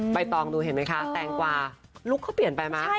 ตองดูเห็นไหมคะแตงกวาลุคเขาเปลี่ยนไปไหม